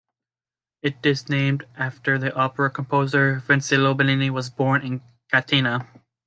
It is named after the opera composer Vincenzo Bellini who was born in Catania.